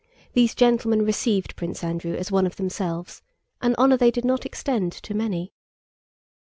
These gentlemen received Prince Andrew as one of themselves, an honor they did not extend to many.